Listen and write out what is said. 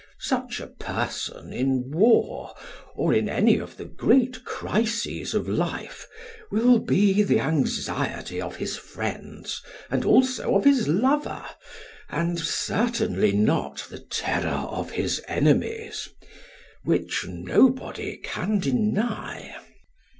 Such a person in war, or in any of the great crises of life, will be the anxiety of his friends and also of his lover, and certainly not the terror of his enemies; which nobody can deny.